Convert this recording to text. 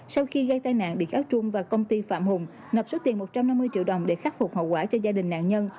sau khi gây tai nạn bị cáo trung và công ty phạm hùng nộp số tiền một trăm năm mươi triệu đồng để khắc phục hậu quả cho gia đình nạn nhân